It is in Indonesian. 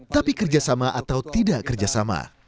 tapi kerjasama atau tidak kerjasama